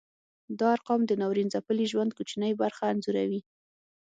دا ارقام د ناورین ځپلي ژوند کوچنۍ برخه انځوروي.